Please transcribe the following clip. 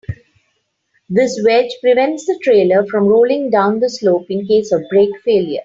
This wedge prevents the trailer from rolling down the slope in case of brake failure.